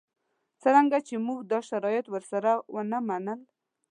څرنګه چې موږ دا شرایط ورسره ونه منل.